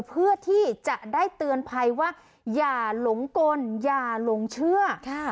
เพื่อที่จะได้เตือนภัยว่าอย่าหลงกลอย่าหลงเชื่อ